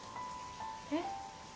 えっ？